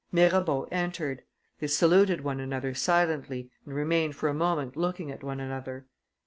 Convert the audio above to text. Mirabeau entered. They saluted one another silently and remained for a moment looking at one another.